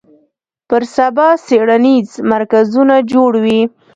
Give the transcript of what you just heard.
پر سبا څېړنیز مرکزونه جوړ وي